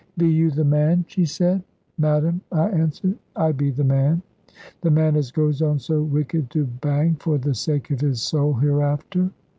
"Be you the man?" she said. "Madam," I answered, "I be the man." "The man as goes on so wicked to Bang, for the sake of his soul hereafter?"